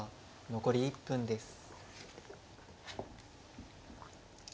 残り１分です。